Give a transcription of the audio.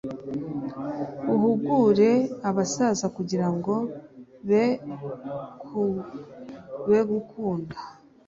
Uhugure abasaza kugira ngo be gukunda